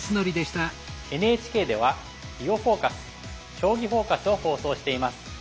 ＮＨＫでは「囲碁フォーカス」「将棋フォーカス」を放送しています。